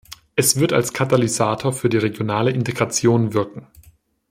Es wird als Katalysator für die regionale Integration wirken.